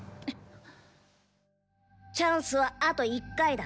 チャンスはあと１回だ。